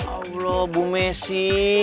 ya allah bu maisy